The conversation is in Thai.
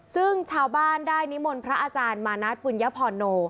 ซึ่งชาวบ้านได้นิมนต์พระอาจารย์มานัดปุญญพรโน